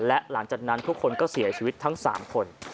และหลังจากนั้นทุกคนก็เสียชีวิตทั้ง๓คน